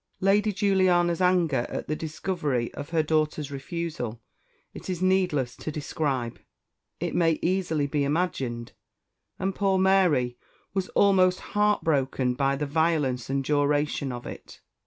Lady Juliana's anger at the discovery of her daughter's refusal it is needless to describe it may easily be imagined; and poor Mary was almost heartbroken by the violence and duration of it.